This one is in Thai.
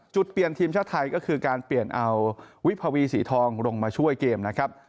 จุดเปลี่ยนทีมชาติไทยก็คือการเปลี่ยนเอาวิภาวีสีทองลงมาช่วยเกมนะครับ